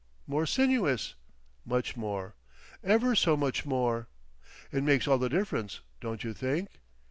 "More sinuous." "Much more." "Ever so much more." "It makes all the difference, don't you think?"